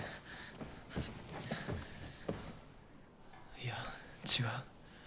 いや違う。